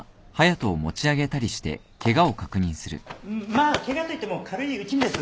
まあケガと言っても軽い打ち身です。